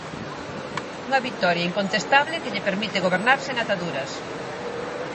Unha vitoria incontestable que lle permite gobernar sen ataduras.